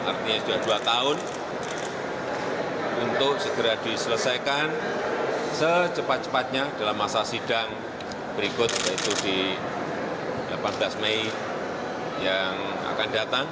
artinya sudah dua tahun untuk segera diselesaikan secepat cepatnya dalam masa sidang berikut yaitu di delapan belas mei yang akan datang